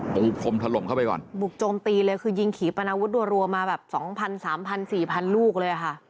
บุกคมถล่มเข้าไปก่อนบุกโจมตีเลยคือยิงขี่ปนาวุฒนรัวมาแบบ๒๐๐๐๓๐๐๐๔๐๐๐ลูกเลยค่ะ